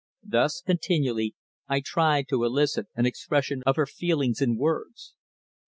Thus, continually, I tried to elicit an expression of her feelings in words.